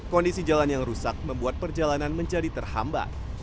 kondisi jalan yang rusak membuat perjalanan menjadi terhambat